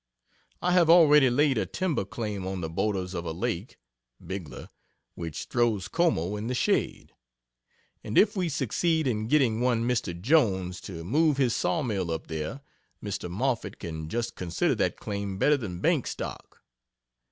I have already laid a timber claim on the borders of a lake (Bigler) which throws Como in the shade and if we succeed in getting one Mr. Jones, to move his saw mill up there, Mr. Moffett can just consider that claim better than bank stock.